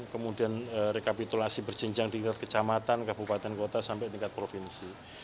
kemudian rekapitulasi berjenjang di tingkat kecamatan kabupaten kota sampai tingkat provinsi